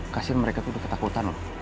kasir mereka tuh udah ketakutan loh